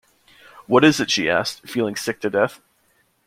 “What is it?” she asked, feeling sick to death.